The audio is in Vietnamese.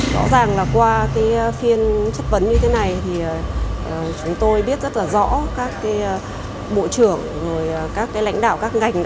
rõ ràng là qua phiên chất vấn như thế này thì chúng tôi biết rất là rõ các bộ trưởng rồi các lãnh đạo các ngành